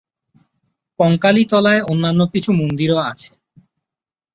কঙ্কালীতলায় অন্যান্য কিছু মন্দিরও আছে।